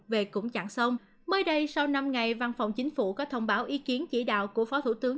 về cũng chặn sông mới đây sau năm ngày văn phòng chính phủ có thông báo ý kiến chỉ đạo của phó thủ tướng